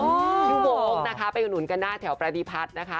อยู่โบ๊คนะคะไปหนุนกันได้แถวประธิพัฒน์นะคะ